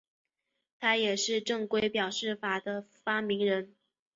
他也是正规表示法的发明者。